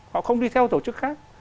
họ không đi theo tổ chức khác